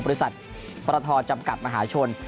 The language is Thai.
บริษัทพระทอดิ์จำกัดมหาชน